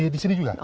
di sini juga